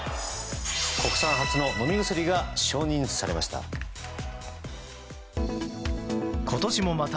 国産初の飲み薬が承認されました。